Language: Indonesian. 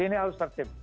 ini harus tertib